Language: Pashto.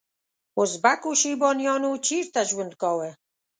ازبکو شیبانیانو چیرته ژوند کاوه؟